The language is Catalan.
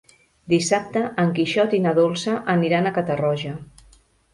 Dissabte en Quixot i na Dolça aniran a Catarroja.